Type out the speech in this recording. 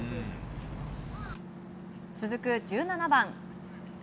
続く１７番。